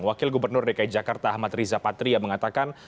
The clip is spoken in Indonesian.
wakil gubernur dki jakarta ahmad riza patria mengatakan